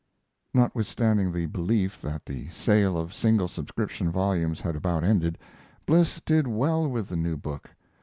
Notwithstanding the belief that the sale of single subscription volumes had about ended, Bliss did well with the new book.